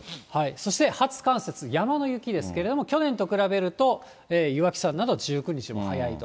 そして初冠雪、山の雪ですけれども、去年と比べると、岩木山など１９日も早いと。